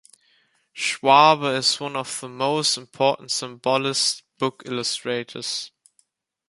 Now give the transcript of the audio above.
Schwabe is one of the most important symbolist book illustrators.